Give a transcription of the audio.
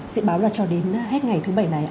sự báo là cho đến hết ngày thứ bảy này ạ